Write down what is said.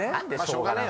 しょうがねえ。